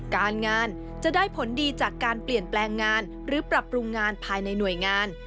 การงานจะได้ผลดีจากการเปลี่ยนแปลงงานหรือปรับปรุงงานภายในหน่วยงาน